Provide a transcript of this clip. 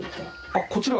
あっこちら？